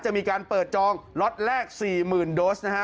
จะมีการเปิดจองล็อตแรก๔๐๐๐โดสนะฮะ